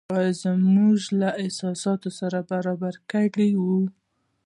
یا یې زموږ له احساساتو سره برابر کړو.